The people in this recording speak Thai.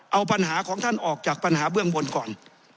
เอาปัญหาของท่านออกจากปัญหาเบื้องบนก่อน